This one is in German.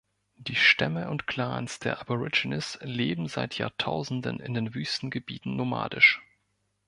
Die Stämme und Clans der Aborigines leben seit Jahrtausenden in den Wüstengebieten nomadisch.